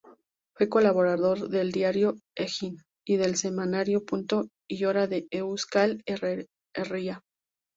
Fue colaborador del diario Egin y del semanario Punto y Hora de Euskal Herria.